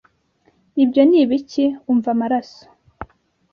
ibyo ni ibiki umva amaraso